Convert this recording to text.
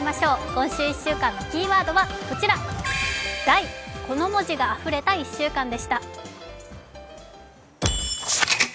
今週１週間のキーワードはこちら、「大」この文字があふれた１週間でした。